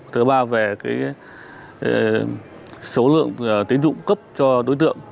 thứ ba về số lượng tín dụng cấp cho đối tượng